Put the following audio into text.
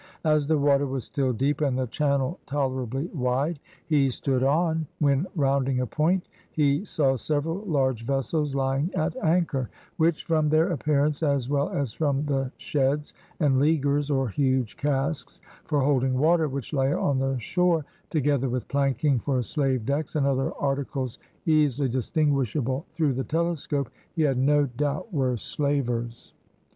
As the water was still deep, and the channel tolerably wide, he stood on, when rounding a point he saw several large vessels lying at anchor, which from their appearance, as well as from the sheds and leaguers, or huge casks for holding water, which lay on the shore, together with planking for slave decks, and other articles easily distinguishable through the telescope, he had no doubt were slavers.